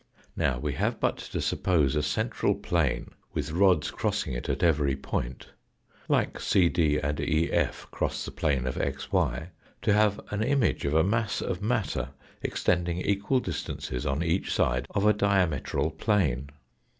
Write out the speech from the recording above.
Now we have but to suppose a central plane with rods crossing it at every point, like CD and EF cross the plane of xy, to have an image of a mass of matter extending equal distances on each side of a diametral plane.